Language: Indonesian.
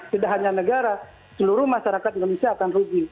tidak hanya negara seluruh masyarakat indonesia akan rugi